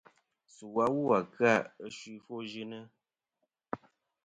Su awu a kɨ-a ɨ suy ɨfwoyɨnɨ.